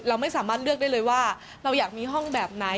เราไม่สามารถเลือกได้เลยว่าเราอยากมีห้องแบบไหน